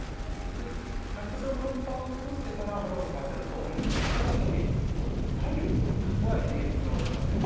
たくさん葉っぱを作ってから花を咲かせるとそれだけね体力を蓄えて花を咲かせるから。